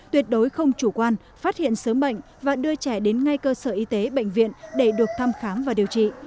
tuyệt đối không chủ quan phát hiện sớm bệnh và đưa trẻ đến ngay cơ sở y tế bệnh viện để được thăm khám và điều trị